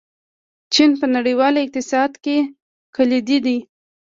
چین په نړیوال اقتصاد کې کلیدي دی.